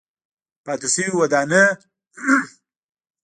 پاتې شوې ودانۍ او ډبرلیکونه معلومات په لاس راکوي.